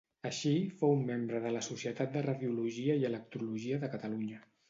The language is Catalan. Així, fou membre de la Societat de Radiologia i Electrologia de Catalunya.